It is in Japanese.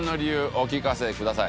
お聞かせください。